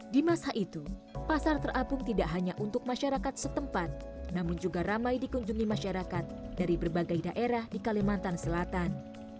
di masa itu pasar terapung tidak hanya untuk masyarakat setempat namun juga ramai dikunjungi masyarakat dari berbagai daerah di kalimantan selatan